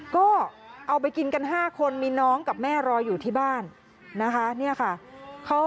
ก็เอาไปกินกัน๕คนมีน้องกับแม่รออยู่ที่บ้านนะคะ